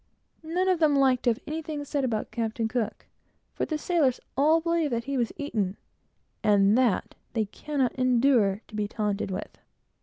None of them liked to have anything said about Captain Cook, for the sailors all believe that he was eaten, and that, they cannot endure to be taunted with.